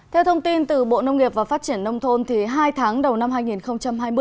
theo thông tin từ bộ nông nghiệp và phát triển nông thôn hai tháng đầu năm hai nghìn hai mươi